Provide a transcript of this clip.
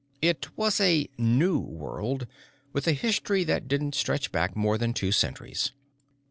It was a "new" world, with a history that didn't stretch back more than two centuries.